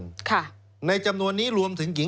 เอ๊ทำถูกกฎหมายแล้วมีการกวาดล้างที่สุดในประวัติศาสตร์ของเยอรมัน